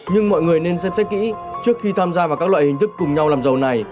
nhưng mọi người nên xem xét kỹ trước khi tham gia vào các loại hình thức cùng nhau làm giàu này